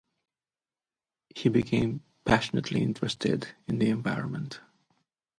He became passionately interested in the environment.